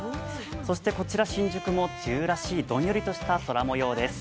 そして、こちら新宿も梅雨らしいどんよりとした空もようです。